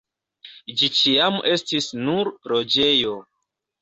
Ĝi ĉiam estis nur loĝejo.